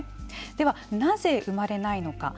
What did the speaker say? ではなぜ生まれないのか。